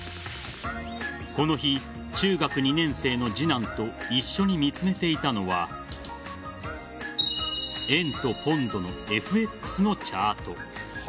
この日、中学２年生の次男と一緒に見つめていたのは円とポンドのＦＸのチャート。